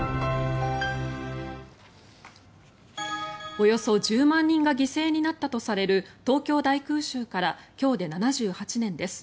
およそ１０万人が犠牲になったとされる東京大空襲から今日で７８年です。